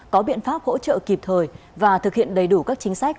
có biện pháp hỗ trợ kịp thời và thực hiện đầy đủ các chính sách